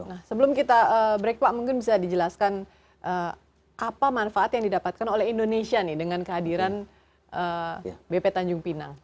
nah sebelum kita break pak mungkin bisa dijelaskan apa manfaat yang didapatkan oleh indonesia nih dengan kehadiran bp tanjung pinang